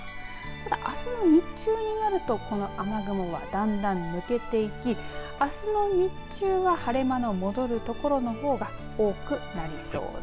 ただあすの日中になるとこの雨雲はだんだん抜けていきあすの日中は晴れ間の戻るところの方が多くなりそうです。